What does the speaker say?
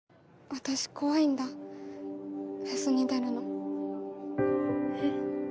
私怖いんだフェスに出るのえっ？